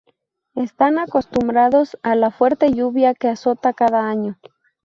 Están acostumbrados a la fuerte lluvia que azota cada año.